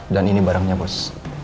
dan ini barangnya bos